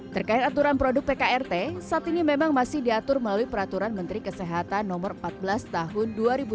terkait aturan produk pkrt saat ini memang masih diatur melalui peraturan menteri kesehatan no empat belas tahun dua ribu dua puluh